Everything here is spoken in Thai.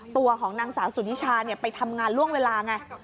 ตัวของนางสาวสุนิชาไปทำงานล่วงเวลาไง